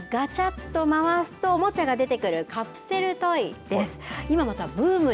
今回のテーマガチャっと回すとおもちゃが出てくるカプセルトイです。